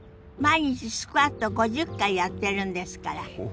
毎日スクワット５０回やってるんですから。